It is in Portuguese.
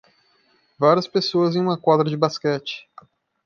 Várias pessoas em uma quadra de basquete.